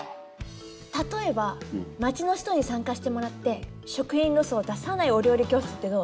例えば町の人に参加してもらって食品ロスを出さないお料理教室ってどう？